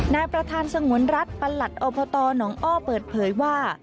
นายประธานสงวนรัฐประหลัดอบตหนองอ้อเปิดเผยว่า